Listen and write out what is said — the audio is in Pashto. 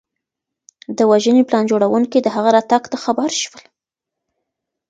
د وژنې پلان جوړونکي د هغه راتګ ته خبر شول.